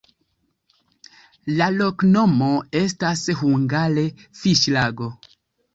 La loknomo estas hungare: fiŝlago.